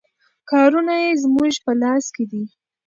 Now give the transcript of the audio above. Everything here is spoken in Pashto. کارونه یې زموږ په لاس کې دي.